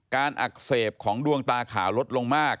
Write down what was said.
อักเสบของดวงตาขาวลดลงมาก